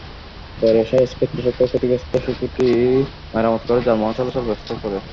পরে সওজ কর্তৃপক্ষ ক্ষতিগ্রস্ত সেতুটি মেরামত করে যানবাহন চলাচলের ব্যবস্থা করে।